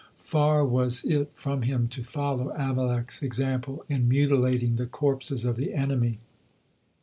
Far was it from him to follow Amalek's example in mutilating the corpses of the enemy.